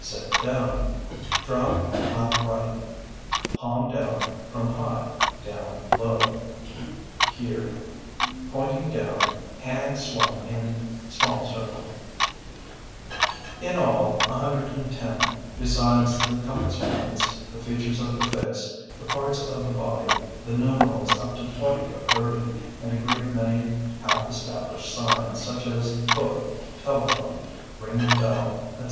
Sit down (Drop flat right, palm down, from high, down low). Here (Pointing down, hand swung in small circle). In all, 110; besides the compass points, the features of the face, the parts of the body, the numerals up to 20 or 30, and a great many half established signs, such as book, telephone, ring the bell, etc.